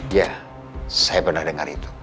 ya saya pernah dengar itu